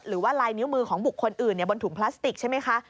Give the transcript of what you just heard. หรือว่าลายนิ้วมือของบุคคลอื่นบนถุงพลาสติกใช่ไหมคะ